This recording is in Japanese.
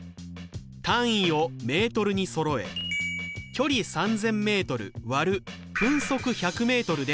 単位をメートルにそろえ距離３０００ｍ割る分速１００ｍで時間は３０分。